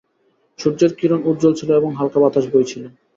সূর্যের কিরন উজ্জল ছিল এবং হালকা বাতাস বইছিল।